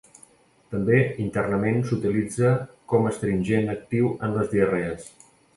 També, internament s'utilitza com astringent actiu en les diarrees.